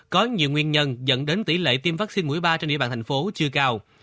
có nhiều nguyên nhân dẫn đến tỷ lệ tiêm vaccine mũi ba trên địa bàn thành phố chưa cao